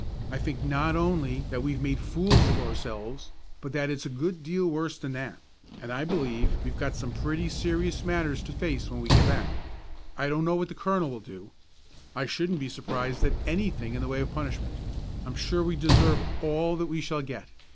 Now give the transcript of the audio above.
I think not only that we've made fools of ourselves, but that it's a good deal worse than that; and I believe we've got some pretty serious matters to face when we get back. I don't know what the colonel will do. I shouldn't be surprised at anything in the way of punishment; I'm sure we deserve all that we shall get.